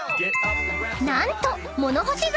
［何と］